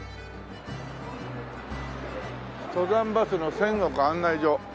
登山バスの仙石案内所。